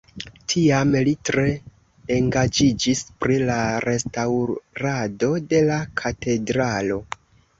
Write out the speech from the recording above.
Tiam li tre engaĝiĝis pri la restaŭrado de la katedralo.